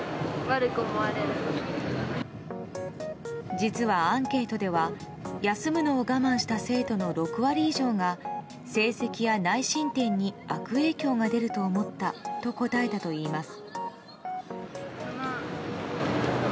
実は、アンケートでは休むのを我慢した生徒の６割以上が成績や内申点に悪影響が出ると思ったと答えたといいます。